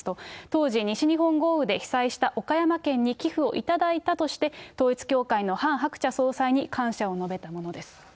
当時、西日本豪雨で被災した岡山県に寄付を頂いたとして、統一教会のハン・ハクチャ総裁に感謝を述べたものです。